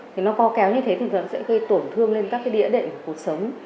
thì nó co kéo như thế thì nó sẽ gây tổn thương lên các cái địa định của cuộc sống